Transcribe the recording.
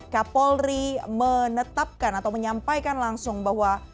kapolri menetapkan atau menyampaikan langsung bahwa